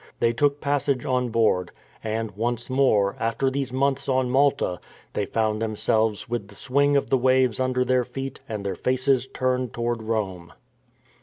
They took passage on board, and, once more, after these months on Malta, they found themselves with the swing of the waves under their feet and their faces turned toward Rome.